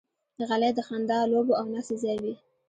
غلۍ د خندا، لوبو او ناستې ځای وي.